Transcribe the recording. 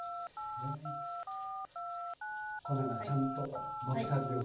粉がちゃんとまぶさるように。